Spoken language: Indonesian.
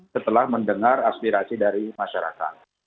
setelah mendengar aspirasi dari masyarakat